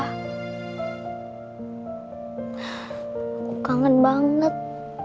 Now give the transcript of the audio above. aku kangen banget